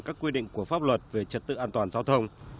các quy định của pháp luật về trật tự an toàn giao thông